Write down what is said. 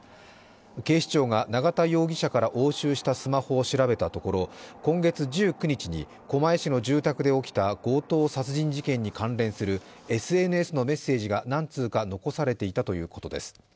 警視庁が、永田容疑者から押収したスマホを調べたところ今月１９日に狛江市の住宅で起きた強盗殺人事件に関連するＳＮＳのメッセージが何通か残されていたということです。